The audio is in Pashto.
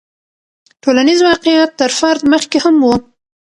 ټولنیز واقعیت تر فرد مخکې هم و.